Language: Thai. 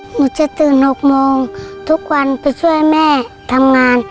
หนูจะตื่น๖โมงทุกวันไปช่วยแม่ทำงาน